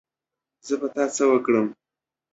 زه په تا څه وکړم